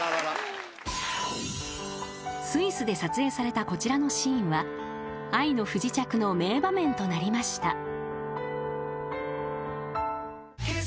［スイスで撮影されたこちらのシーンは『愛の不時着』の名場面となりました］